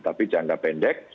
tapi jangka pendek